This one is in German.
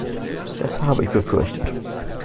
Das habe ich befürchtet.